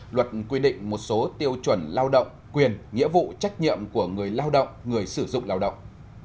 luật quy định một số tiêu chuẩn lao động quyền nghĩa vụ trách nhiệm của người lao động người sử dụng lao động